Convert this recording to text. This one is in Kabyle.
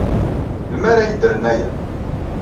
Melmi ara iyi-d-rren aya?